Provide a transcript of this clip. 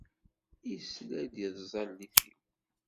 Isla-d i tẓallit-iw.